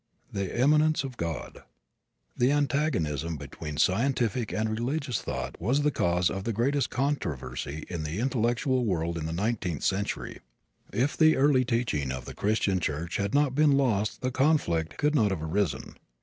CHAPTER II. THE IMMANENCE OF GOD The antagonism between scientific and religious thought was the cause of the greatest controversy in the intellectual world in the nineteenth century. If the early teaching of the Christian Church had not been lost the conflict could not have arisen.